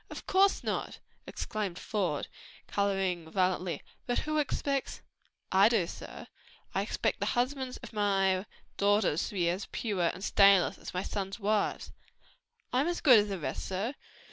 "Of course not!" exclaimed Faude, coloring violently, "but who expects " "I do, sir; I expect the husbands of my daughters to be as pure and stainless as my sons' wives." "I'm as good as the rest, sir.